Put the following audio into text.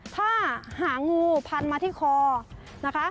ถ้าหางูพันมาที่คอนะคะ